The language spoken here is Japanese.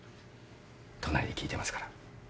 隣で聞いてますから。